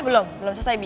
belum belum selesai bi